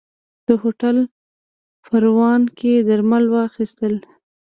ده هوټل پروان کې درمل واخيستل.